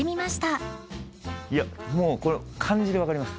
いやもうこの感じでわかります。